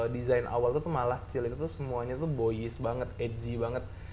desain awal itu tuh malah chill itu tuh semuanya tuh boyish banget edgy banget